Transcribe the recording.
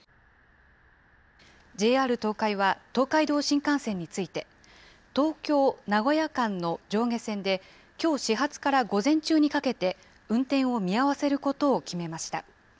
ＪＲ東海は東海道新幹線について、東京・名古屋間の上下線で、きょう始発から午前中にかけて、運転を見合わせることを決めました。